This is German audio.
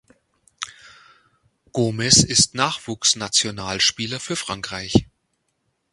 Gomes ist Nachwuchsnationalspieler für Frankreich.